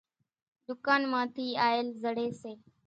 ۮُڪانَ مان ٿِي آئل زڙيَ سي۔